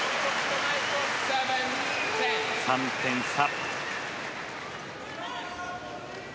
３点差。